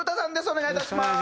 お願いいたします。